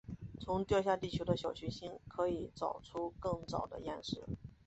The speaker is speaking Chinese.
从掉下地球的小行星可以找出更早的岩石。